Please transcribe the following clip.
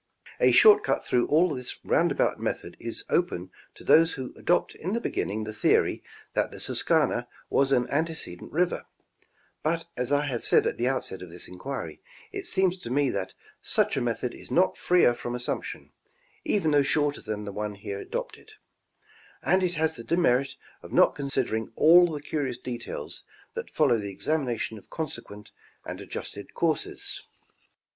A short cut through all this round about method is open to those who adopt i^40 National Geographic Magazine. in the beginning the theory that the Susquehanna was an antece dent river ; but as I have said at the outset of this inquiry, it seems to me that such a method is not freer from assumption, even though shorter than the one here adopted; and it has the demerit of not considering all the curious details that follow the examination of consequent and adjusted courses.